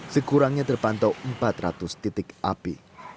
sekurangnya terpantau empat ratus titik api